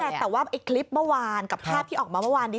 แต่ว่าไอ้คลิปเมื่อวานกับภาพที่ออกมาเมื่อวานนี้